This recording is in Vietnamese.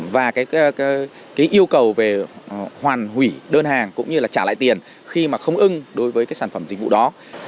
và cái yêu cầu về hoàn hủy đơn hàng cũng như là trả lại tiền khi mà không ưng đối với cái sản phẩm dịch vụ đó